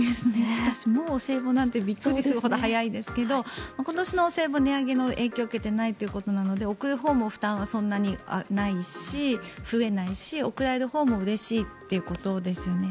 しかしもうお歳暮なんてびっくりするほど早いですけど今年のお歳暮、値上げの影響受けていないということなので贈るほうも負担はそんなにないし増えないし贈られるほうもうれしいということですよね。